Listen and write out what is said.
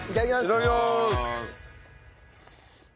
いただきまーす。